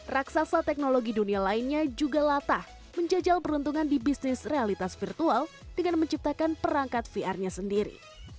raksasa teknologi dunia lainnya juga latah menjajal peruntungan di bisnis realitas virtual dengan menciptakan perangkat vr nya sendiri